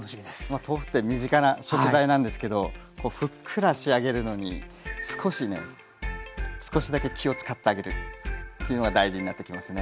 まあ豆腐って身近な食材なんですけどこうふっくら仕上げるのに少しね少しだけ気を遣ってあげるっていうのが大事になってきますね。